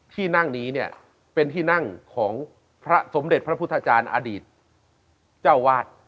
ที่นั่งนี้เนี่ยเป็นที่นั่งของพระสมเด็จพระพุทธจารย์อดีตเจ้าวาด